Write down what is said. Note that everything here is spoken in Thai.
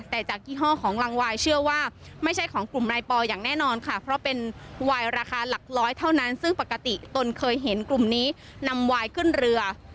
แต่จากยี่ห้อของลังวายเชื่อว่าไม่ใช่ของกลุ่มนายปออย่างแน่นอนค่ะเพราะเป็นวายราคาหลักร้อยเท่านั้นซึ่งปกติตนเคยเห็นกลุ่มนี้นำวายขึ้นเรือ